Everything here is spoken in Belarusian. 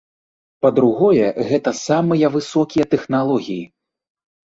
Па-другое, гэта самыя высокія тэхналогіі.